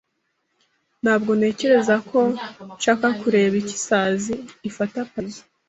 Ntabwo ntekereza ko nshaka kureba icyo isazi ifata paradizo.